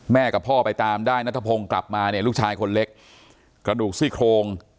กับพ่อไปตามได้นัทพงศ์กลับมาเนี่ยลูกชายคนเล็กกระดูกซี่โครง